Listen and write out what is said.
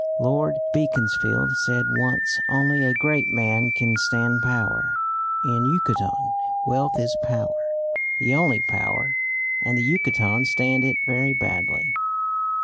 Lord Beaconsfield said once, "Only a great man can stand power." In Yucatan wealth is power, the only power, and the Yucatecans stand it very badly.